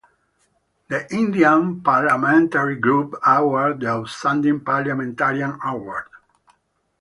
The Indian Parliamentary Group awards the Outstanding Parliamentarian Award.